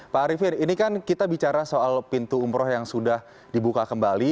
pak arifin ini kan kita bicara soal pintu umroh yang sudah dibuka kembali